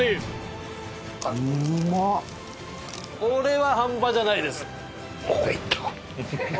これは半端じゃないです。